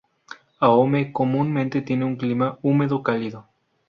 Ahome comúnmente tiene un clima húmedo cálido.